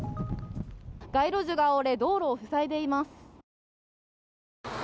街路樹が折れ、道路を塞いでいます。